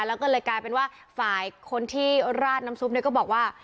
แล้วก็เลยกลายเป็นว่าฝ่ายคนที่ราดน้ำซุปเนี่ยก็บอกว่า